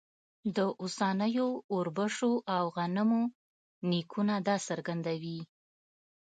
د اوسنیو اوربشو او غنمو نیکونه دا څرګندوي.